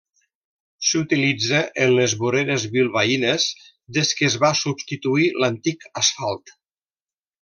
S'utilitza en les voreres bilbaïnes des que es va substituir l'antic asfalt.